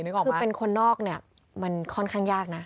คือเป็นคนนอกเนี่ยมันค่อนข้างยากนะ